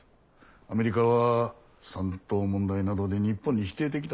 アメリカは山東問題などで日本に否定的だ。